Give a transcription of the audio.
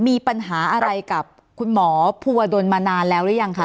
มีปัญหาอะไรกับคุณหมอภูวดลมานานแล้วหรือยังคะ